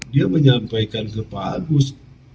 dia menyampaikan ke pak agus